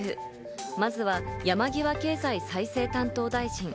まずは山際経済再生担当大臣。